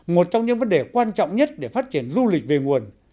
một trong những vấn đề quan trọng nhất để phát triển du lịch về nguồn